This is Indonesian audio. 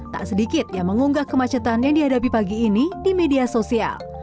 tak sedikit yang mengunggah kemacetan yang dihadapi pagi ini di media sosial